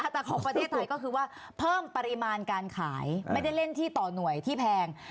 แต่ของประเทศไทยก็คือว่าเพิ่มปริมาณการขายไม่ได้เล่นที่ต่อหน่วยที่แพง